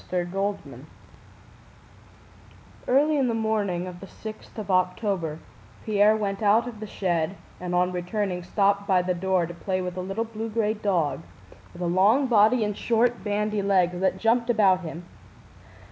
CHAPTER XI Early in the morning of the sixth of October Pierre went out of the shed, and on returning stopped by the door to play with a little blue gray dog, with a long body and short bandy legs, that jumped about him.